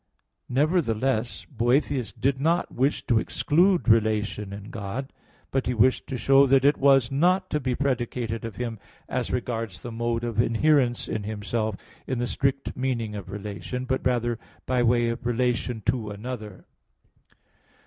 Nevertheless Boethius did not wish to exclude relation in God; but he wished to show that it was not to be predicated of Him as regards the mode of inherence in Himself in the strict meaning of relation; but rather by way of relation to another.